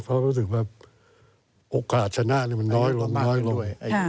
เพราะรู้สึกว่าโอกาสชนะนั้นมันน้อยลงลง